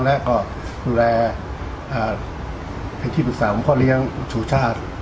และดูแลพัฒนาภิกษาของพ่อเลี้ยงสู่ชาติ